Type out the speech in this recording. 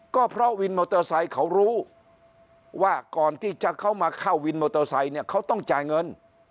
ก็เพราะวินมอเตอร์ไซค์เขารู้ว่าก่อนที่จะเข้ามาเข้าวินมอเตอร์ไซค์เนี่ยเขาต้องจ่ายเงิน